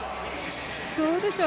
どうでしょう？